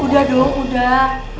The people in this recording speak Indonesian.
udah dong udah